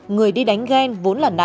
người đi đánh ghen vốn là nạn nhân